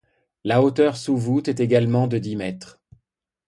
La hauteur sous voûte est également de dix mètres.